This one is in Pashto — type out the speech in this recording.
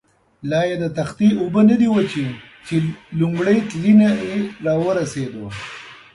لایې د تختې اوبه نه دي وچې، چې لومړی تلین یې را ورسېد.